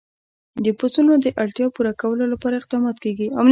د پسونو د اړتیاوو پوره کولو لپاره اقدامات کېږي.